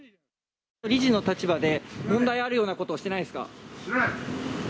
理事の立場で、問題あるようなことをしてないですか？